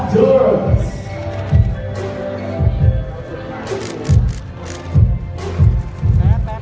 สโลแมคริปราบาล